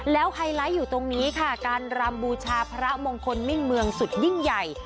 ไฮไลท์อยู่ตรงนี้ค่ะการรำบูชาพระมงคลมิ่งเมืองสุดยิ่งใหญ่